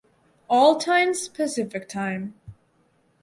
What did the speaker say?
All times Pacific time.